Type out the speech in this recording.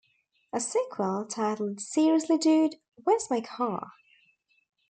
A sequel titled Seriously Dude, Where's My Car?